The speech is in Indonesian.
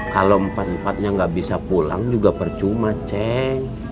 kalau empat empatnya gak bisa pulang juga percuma ceng